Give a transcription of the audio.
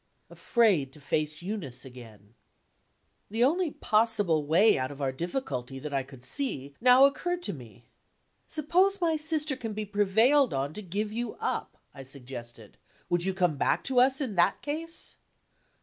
"Afraid to face Eunice again." The only possible way out of our difficulty that I could see, now occurred to me. "Suppose my sister can be prevailed on to give you up?" I suggested. "Would you come back to us in that case?"